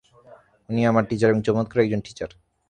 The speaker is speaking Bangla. উনি আমার টীচার এবং চমৎকার একজন টীচার!